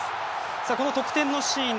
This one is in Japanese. さあこの得点のシーン